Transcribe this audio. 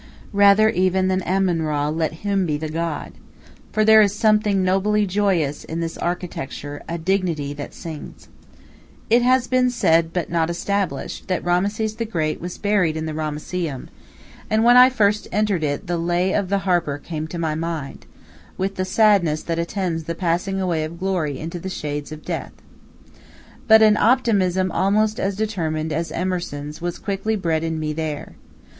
Rather even than Amun Ra let him be the god. For there is something nobly joyous in this architecture, a dignity that sings. It has been said, but not established, that Rameses the Great was buried in the Ramesseum, and when first I entered it the "Lay of the Harper" came to my mind, with the sadness that attends the passing away of glory into the shades of death. But an optimism almost as determined as Emerson's was quickly bred in me there.